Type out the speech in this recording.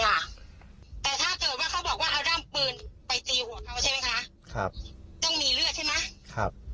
แต่ถ้าเกิดว่าเขาบอกว่าเอาร่างปืนไปจีบหัวเขาใช่ไหมคะ